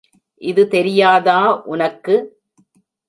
இது தெரியாதா உனக்கு.